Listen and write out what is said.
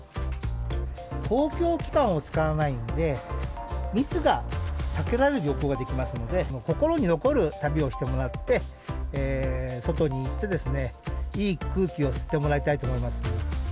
公共機関を使わないんで、密が避けられる旅行ができますので、心に残る旅をしてもらって、外に行って、いい空気を吸ってもらいたいと思います。